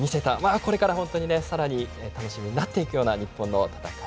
これから本当にさらに楽しみになっていくような